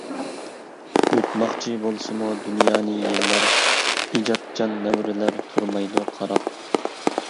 يۇتماقچى بولسىمۇ دۇنيانى يىللار، ئىجادچان نەۋرىلەر تۇرمايدۇ قاراپ.